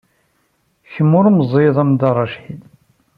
Kemm ur meẓẓiyeḍ am Dda Racid.